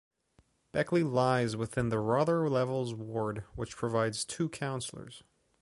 Beckley lies within the Rother Levels ward, which provides two councillors.